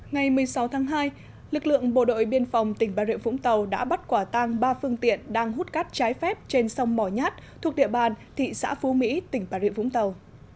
ngày một mươi sáu tháng hai lực lượng bộ đội biên phòng tỉnh bà rịa vũng tàu đã bắt quả tang ba phương tiện đang hút cát trái phép trên sông mò nhát thuộc địa bàn thị xã phú mỹ tỉnh bà rịa vũng tàu